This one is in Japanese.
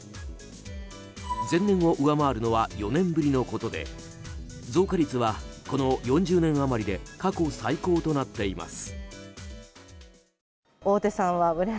前年を上回るのは４年ぶりのことで増加率はこの４０年余りで過去最高となっています。